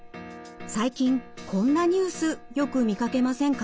最近こんなニュースよく見かけませんか？